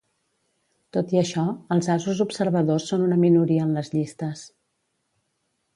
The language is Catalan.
Tot i això, els asos observadors són una minoria en les llistes.